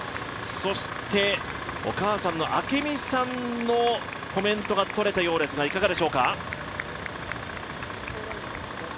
そして、お母さんの明美さんのコメントが取れたようですがいかがでしょうか。